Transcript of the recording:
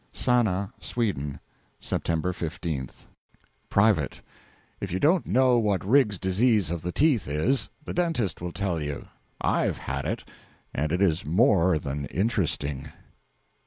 SANNA, SWEDEN, September 15th. Private. If you don't know what Riggs's Disease of the Teeth is, the dentist will tell you. I've had it and it is more than interesting.